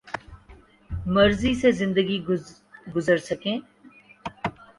مرضی سے زندگی گرز سکیں